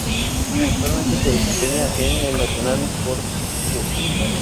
Actualmente se desempeña en el Nacional Esporte Clube.